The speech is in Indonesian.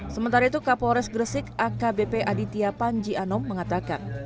sementara itu kapolres gresik akbp aditya panji anom mengatakan